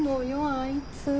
あいつは！